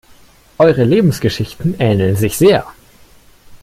Eure Lebensgeschichten ähneln sich sehr.